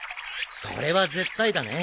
それは絶対だね。